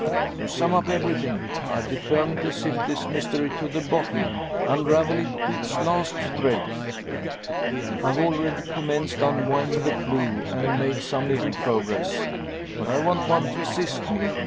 To sum up everything, I've determined to sift this mystery to the bottom unravel it to its last thread. I've already commenced unwinding the clue, and made some little progress. But I want one to assist me.